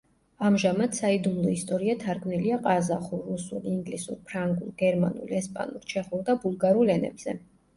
ამჟამად საიდუმლო ისტორია თარგმნილია ყაზახურ, რუსულ, ინგლისურ, ფრანგულ, გერმანულ, ესპანურ, ჩეხურ და ბულგარულ ენებზე.